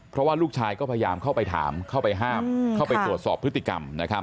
เพราะว่าลูกชายก็พยายามเข้าไปถามเข้าไปห้ามเข้าไปตรวจสอบพฤติกรรมนะครับ